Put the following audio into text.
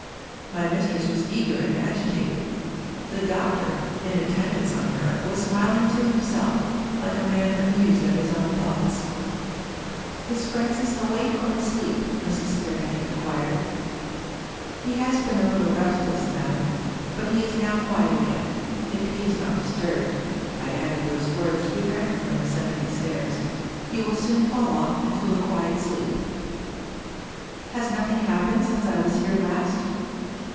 My mistress was eager and agitated. The doctor (in at tendance on her) was smiling to himself, like a man amused at his own thoughts. " Is Francis awake or asleep ?" Mrs. Fairbank inquired. " He has been a little restless, madam. But he is now quiet again. If he is not disturbed " (I added those words to prevent her from ascending the stairs), " he will soon fall off into a quiet sleep." " Has nothing happened since I was here last?"